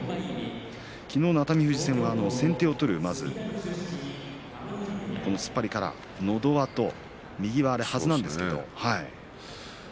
昨日の熱海富士は先手を取る突っ張りからのど輪と右が、いいはずなんですけど。